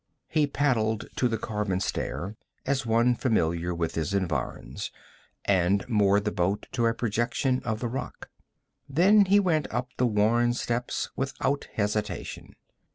He paddled to the carven stair as one familiar with his environs, and moored the boat to a projection of the rock. Then he went up the worn steps without hesitation.